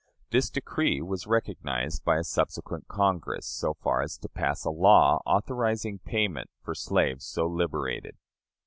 This decree was recognized by a subsequent Congress, so far as to pass a law authorizing payment for slaves so liberated.